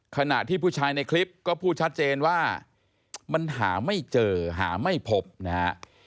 ขณะที่ผู้ชายในคลิปก็พูดชัดเจนว่ามันหาไม่เจอหาไม่พบนะฮะ